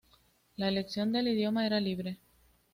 La elección de idioma era libre.